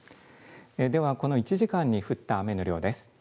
ではこの１時間に降った雨の量です。